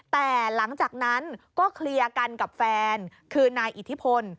แต่หลังจากนั้นก็เคลียร์กันกับแฟนคือนายอิทธิพล